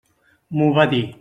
M'ho va dir.